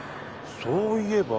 そういえば。